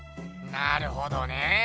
なるほどね。